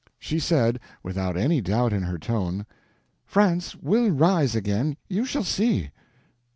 She said, without any doubt in her tone: "France will rise again. You shall see."